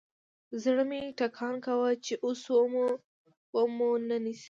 زړه مې ټکان کاوه چې اوس ومو نه نيسي.